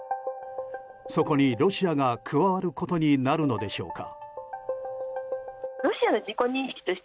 そこに、ロシアが加わることになるのでしょうか。